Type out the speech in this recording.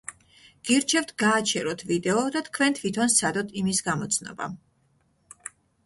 გირჩევთ, გააჩეროთ ვიდეო და თქვენ თვითონ სცადოთ იმის გამოცნობა.